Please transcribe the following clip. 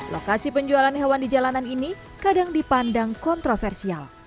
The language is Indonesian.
lokasi penjualan hewan di jalanan ini kadang dipandang kontroversial